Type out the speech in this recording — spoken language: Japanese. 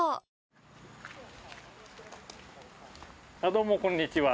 どうも、こんにちは。